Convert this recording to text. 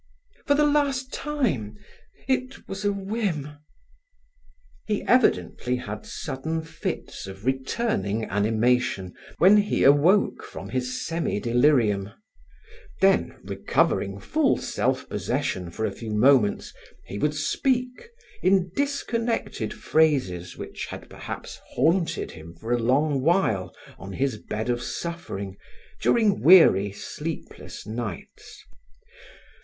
for the last time... it was a whim..." He evidently had sudden fits of returning animation, when he awoke from his semi delirium; then, recovering full self possession for a few moments, he would speak, in disconnected phrases which had perhaps haunted him for a long while on his bed of suffering, during weary, sleepless nights.